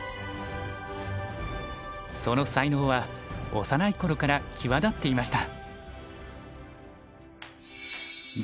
その才能は幼い頃から際立っていました。